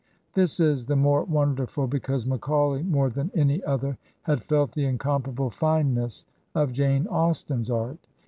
This is the more wonderful because Macaiday, more than any other, had felt the incomparable fineness of Jane Austen's art.